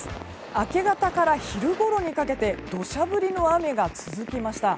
明け方から昼ごろにかけて土砂降りの雨が続きました。